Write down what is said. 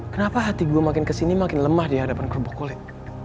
kenapa hati gue makin kesini makin lemah di hadapan kerupuk kulit